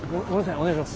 お願いします。